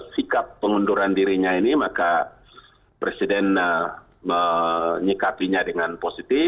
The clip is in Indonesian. sikap pengunduran dirinya ini maka presiden menyikapinya dengan positif